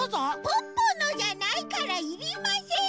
ポッポのじゃないからいりません！